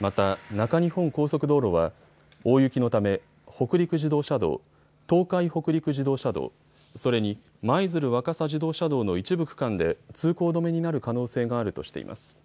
また中日本高速道路は大雪のため北陸自動車道、東海北陸自動車道、それに舞鶴若狭自動車道の一部区間で通行止めになる可能性があるとしています。